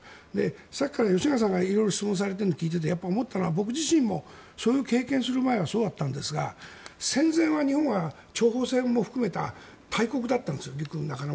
さっきから吉永さんが色々、質問されているのを聞いていてやっぱり思ったのは僕自身もそれを経験する前はそうだったんですが戦前は日本は諜報戦も含めた大軍だったんです。